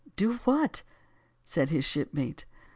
"Do what?" said his shipmate.